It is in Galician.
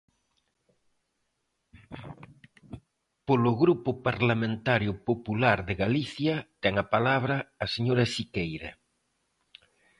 Polo Grupo Parlamentario Popular de Galicia, ten a palabra a señora Siqueira.